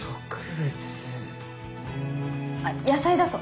あっ野菜だと？